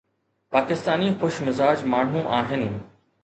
پاڪستاني خوش مزاج ماڻهو آهن